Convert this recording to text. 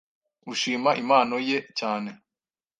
ushima impano ye cyane